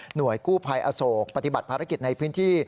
กู้ภัยอโศกปฏิบัติภารกิจในพื้นที่